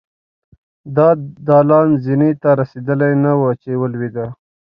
د دالان زينې ته رسېدلې نه وه چې ولوېدله.